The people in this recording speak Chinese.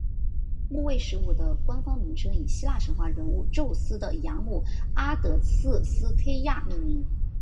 木卫十五的官方名称以希腊神话人物宙斯的养母阿德剌斯忒亚命名。